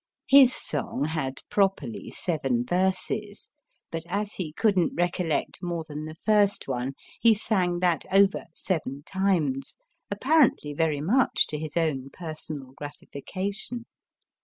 His song had properly seven verses, but as he couldn't recollect more than the first one he sang that over, seven times, apparently very much to his own personal gratification.